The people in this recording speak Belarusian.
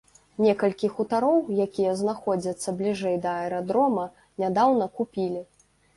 Некалькі хутароў, якія знаходзяцца бліжэй да аэрадрома, нядаўна купілі.